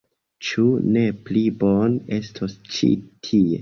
Ĉu ne pli bone estos ĉi tie.